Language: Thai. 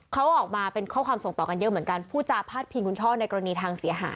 เขาออกมาเป็นข้อความส่งต่อกันเยอะเหมือนกันผู้จาพาดพิงคุณช่อในกรณีทางเสียหาย